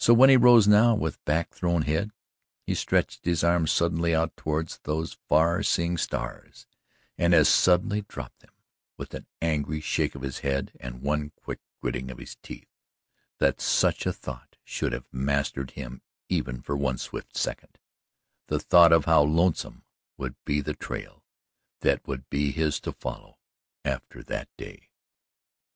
So when he rose now, with back thrown head, he stretched his arms suddenly out toward those far seeing stars, and as suddenly dropped them with an angry shake of his head and one quick gritting of his teeth that such a thought should have mastered him even for one swift second the thought of how lonesome would be the trail that would be his to follow after that day.